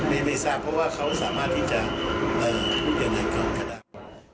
ไม่สนใจเพราะว่าเขาสามารถที่จะพูดอย่างไรก็ได้